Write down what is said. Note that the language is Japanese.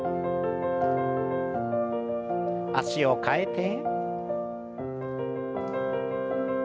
脚を替えて。